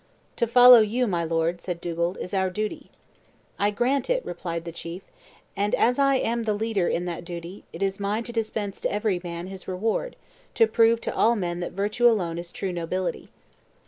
"To follow you, my lord," said Dugald, "is our duty." "I grant it," replied the chief; "and as I am the leader in that duty, it is mine to dispense to every man his reward; to prove to all men that virtue alone is true nobility."